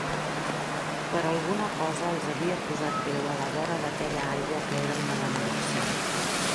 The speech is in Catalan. Per alguna cosa els havia posat Déu a la vora d'aquella aigua que era una benedicció.